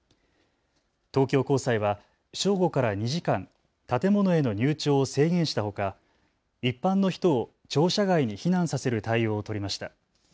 東京高裁は正午から２時間、建物への入庁を制限したほか一般の人を庁舎外に避難させる対応を取りました。